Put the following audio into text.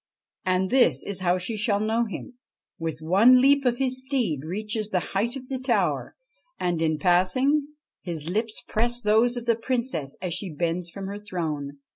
And this is how she shall know him : with one leap of his steed he reaches the height of the tower, and, in passing, his lips press those of the Princess as she bends from her throne.